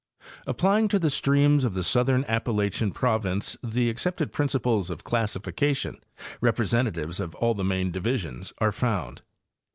Applying to the streams of the southern Appalachian proy ince the accepted principles of classification, representatives of all the main divisions are found.